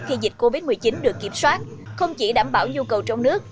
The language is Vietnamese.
khi dịch covid một mươi chín được kiểm soát không chỉ đảm bảo nhu cầu trong nước